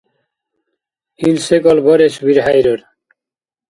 Ил секӀал барес вирхӀейрар.